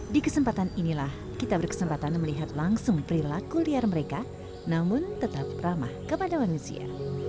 di kesempatan inilah kita berkesempatan melihat langsung perilaku liar mereka namun tetap ramah kepada manusia